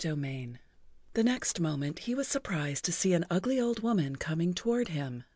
[Pg 54] CHAPTER IV THE next moment he was surprised to see an ugly old woman coming toward him.